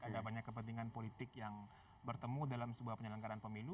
ada banyak kepentingan politik yang bertemu dalam sebuah penyelenggaran pemilu